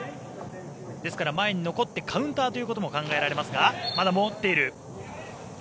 ですから前に残ってカウンターということも考えられますがまだ持っている。